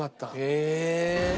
へえ。